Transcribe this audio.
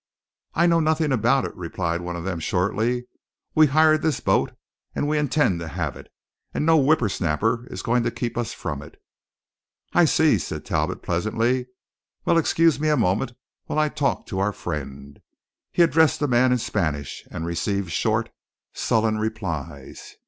"I know nothing about it," replied one of them shortly. "We hired this boat, and we intend to have it; and no whipper snapper is going to keep us from it." "I see," said Talbot pleasantly. "Well, excuse me a moment while I talk to our friend." He addressed the man in Spanish, and received short, sullen replies.